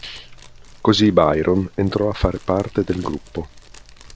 Così Byron entrò a far parte del gruppo.